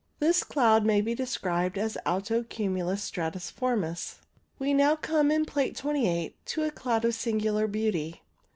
This cloud may be described as alto cumulus stratiformis. We now come, in Plate 28, to a cloud of singular beauty.